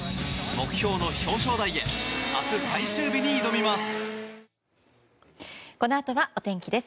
目標の表彰台へ明日の最終日に挑みます。